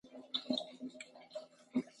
تراژیدي دا نه ده چې یوازې یاست پوه شوې!.